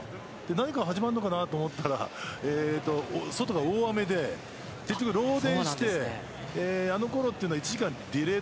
何か始まるのかなと思ったら外が大雨で漏電してあのころは１時間のディレイ